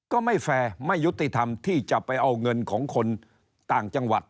ก็ไม่แฟร์ไม่ยุติธรรมที่จะไปเอาเงินของคนต่างจังหวัด